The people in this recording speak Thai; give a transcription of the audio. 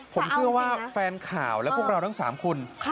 ผมเชื่อว่าแฟนข่าวและพวกเราทั้ง๓คน